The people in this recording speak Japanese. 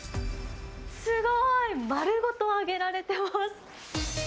すごーい、丸ごと揚げられてます。